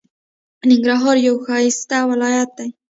ننګرهار یو ښایسته ولایت دی.